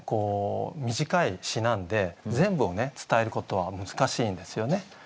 短い詩なんで全部を伝えることは難しいんですよね。